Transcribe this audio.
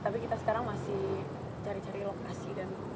tapi kita sekarang masih cari cari lokasi